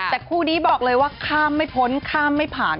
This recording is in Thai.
แต่คู่นี้บอกเลยว่าข้ามไม่พ้นข้ามไม่ผ่าน